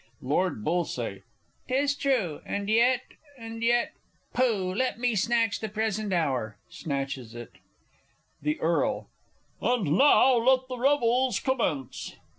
Lord B. 'Tis true and yet, and yet pooh, let me snatch the present hour! [Snatches it. The Earl. And now, let the Revels commence.